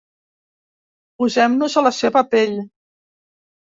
Posem-nos a la seva pell.